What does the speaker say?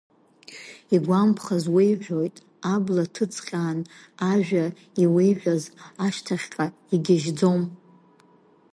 Игәамԥхаз уеиҳәоит, абла ҭыцҟьаан, ажәа иуеиҳәаз ашьҭахьҟа игьежьӡом.